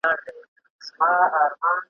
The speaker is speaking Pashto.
چي اوسیږي به پر کور د انسانانو `